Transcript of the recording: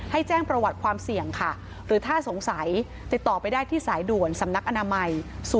แจ้งประวัติความเสี่ยงค่ะหรือถ้าสงสัยติดต่อไปได้ที่สายด่วนสำนักอนามัย